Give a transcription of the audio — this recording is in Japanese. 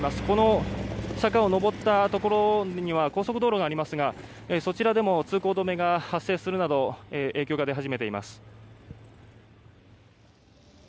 この坂を上ったところには高速道路がありますがそちらでも通行止めが発生するなど影響が出始めています。